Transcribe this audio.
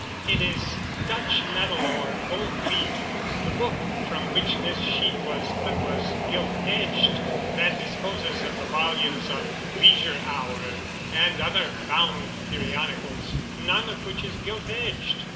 "It is Dutch metal or gold leaf. The book from which this sheet was cut was gilt edged. That disposes of the volumes of Leisure Hour and other bound periodicals, none of which is gilt edged.